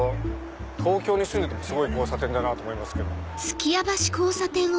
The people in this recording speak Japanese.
東京に住んでてもすごい交差点だと思いますけど。